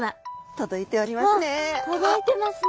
届いてますね。